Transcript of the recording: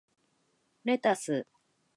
レタス